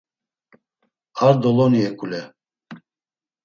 Ar doloni eǩule.